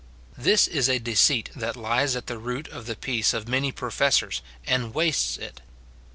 This is a deceit that lies at the root of the peace of many professors and wastes it.